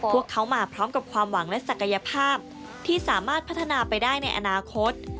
พวกเขามาพร้อมกับความหวังและศักยภาพที่สามารถพัฒนาไปได้ในอนาคต